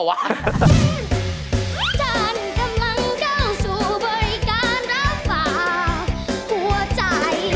ท่านกำลังก้าวสู่บริการรับฝากหัวใจ